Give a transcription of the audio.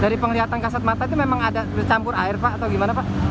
dari penglihatan kasat mata itu memang ada bercampur air pak atau gimana pak